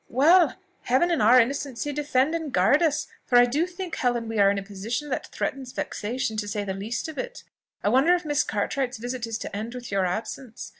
"Well! 'Heaven and our innocency defend and guard us!' for I do think, Helen, we are in a position that threatens vexation, to say the least of it. I wonder if Miss Cartwright's visit is to end with your absence?